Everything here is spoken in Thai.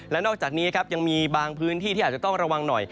และนอกจากนี้ครับยังมีบางพื้นที่ที่อาจจะต้องระวังหน่อย